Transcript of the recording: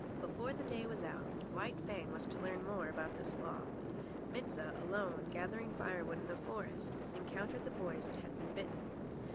Before the day was out, White Fang was to learn more about this law. Mit sah, alone, gathering firewood in the forest, encountered the boy that had been bitten.